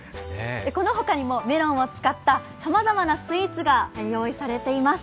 この他にもメロンを使ったさまざまなスイーツが用意されています。